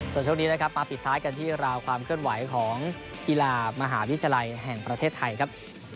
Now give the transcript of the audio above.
ส่วนช่วงนี้นะครับมาปิดท้ายกันที่ราวความเคลื่อนไหวของกีฬามหาวิทยาลัยแห่งประเทศไทยครับ